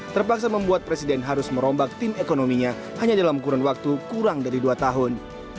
terpaksa membuat presiden harus merombak tim ekonominya hanya dalam kurun waktu kurang dari dua tahun